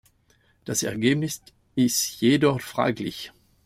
Das Ergebnis ist jedoch fraglich.